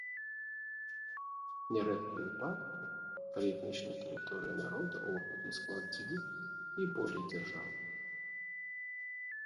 Нярэдкія выпадкі, калі этнічная тэрыторыя народа ўваходзіць у склад дзвюх і болей дзяржаў.